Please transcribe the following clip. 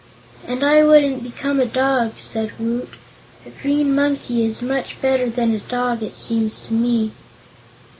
"And I wouldn't become a dog," said Woot. "A green monkey is much better than a dog, it seems to me."